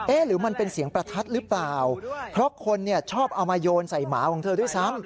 หรือมันเป็นเสียงประทัดหรือเปล่าเพราะคนเนี่ยชอบเอามาโยนใส่หมาของเธอด้วยซ้ำ